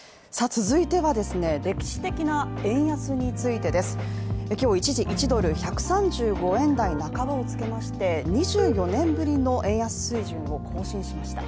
続いてはですね、歴史的な円安についてです今日一時１ドル１３５円台半ばを付けまして２４年ぶりの円安水準を更新しました。